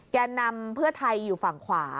แก่นำเพื่อไทยอยู่ฝั่งขวา